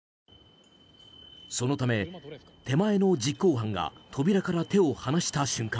そのため、手前の実行犯が扉から手を放した瞬間